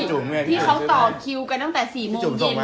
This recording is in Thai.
ใช่ที่เขาต่อคิวกันตั้งแต่๔โมงเย็นใช่ค่ะ